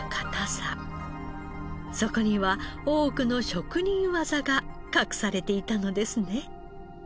そこには多くの職人技が隠されていたのですね。